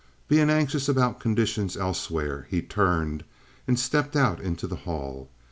Being anxious about conditions elsewhere, he turned and stepped out into the hall.